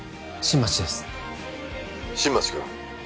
☎新町君